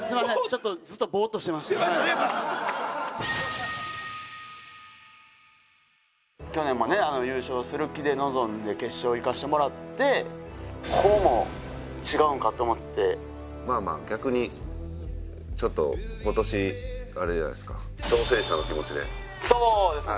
ちょっと去年もね優勝する気で臨んで決勝いかしてもらってこうも違うんかと思ってまあまあ逆にちょっと今年あれじゃないですかそうですね